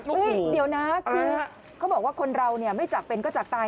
เดี๋ยวนะคือเขาบอกว่าคนเราเนี่ยไม่จากเป็นก็จากตาย